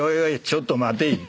ちょっと待てい。